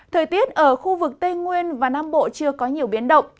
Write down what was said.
thời tiết ở khu vực tây nguyên và nam bộ chưa có nhiều biến động